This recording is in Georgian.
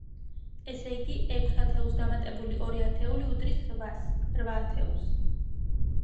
ესე იგი, ექვს ათეულს დამატებული ორი ათეული უდრის რვას, რვა ათეულს.